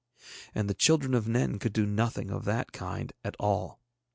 And the children of Nen could do nothing of that kind at all.